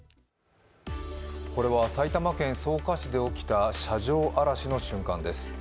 これは埼玉県草加市で起きた車上荒らしの瞬間です。